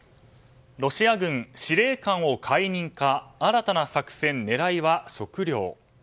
ロシア軍司令官を解任か新たな作戦、狙いは食糧。